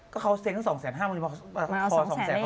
ก็เขาเซงก์สองแสนห้ามันได้มาขอสองแสน